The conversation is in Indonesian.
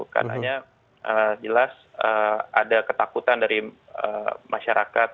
karena jelas ada ketakutan dari masyarakat